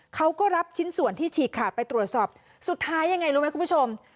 เขาก็รับชิ้นส่วนที่ฉีกขาดไปตรวจสอบสุดท้ายยังไงรู้ไหมคุณผู้ชม